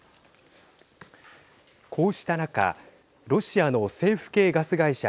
こうした中ロシアの政府系ガス会社